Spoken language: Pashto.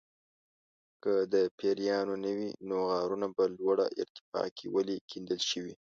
که د پیریانو نه وي نو غارونه په لوړه ارتفاع کې ولې کیندل شوي.